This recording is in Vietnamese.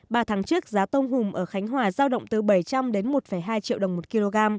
ba tháng trước giá tôm hùm ở khánh hòa giao động từ bảy trăm linh đến một hai triệu đồng một kg